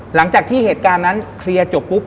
หลังจากที่เหตุการณ์นั้นเคลียร์จบปุ๊บ